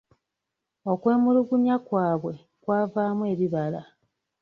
Okwemulugunya kwabwe kwavaamu ebibala.